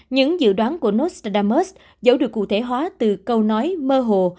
những dự đoán của nostradamus dẫu được cụ thể hóa từ câu nói mơ hồ